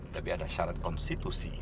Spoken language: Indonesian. tapi ada syarat konstitusi